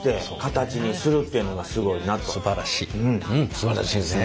すばらしいですね。